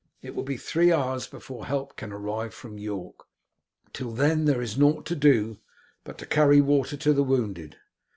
It will be three hours before help can arrive from York. Till then there is nought to do but to carry water to the wounded.